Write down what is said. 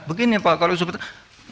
begini pak kalau substern